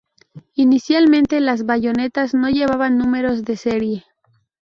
Inicialmente, las bayonetas no llevaban números de serie.